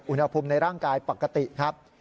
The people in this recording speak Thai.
อุณหภูมิในร่างกายปกติครับ